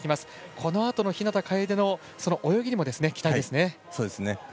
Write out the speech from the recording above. このあとの日向楓の泳ぎにも期待ですね。